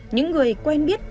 những người quen biết